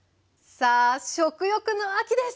さあ食欲の秋です！